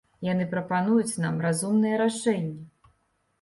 Яны прапануюць нам разумныя рашэнні.